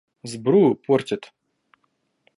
Сбрую портят.